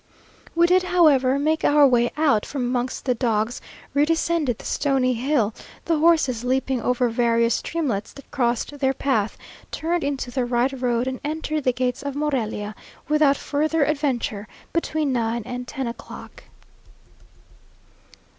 We did, however, make our way out from amongst the dogs, redescended the stony hill, the horses leaping over various streamlets that crossed their path, turned into the right road, and entered the gates of Morelia without further adventure, between nine and ten o'clock.